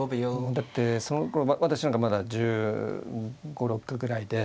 だってそのころ私なんかまだ１５１６ぐらいで。